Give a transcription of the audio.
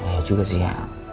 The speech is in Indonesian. ya juga sih ya